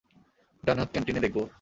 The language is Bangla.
ডান হাত ক্যান্টিনে দেখবো।